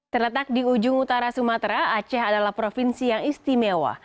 terletak di ujung utara sumatera aceh adalah provinsi yang istimewa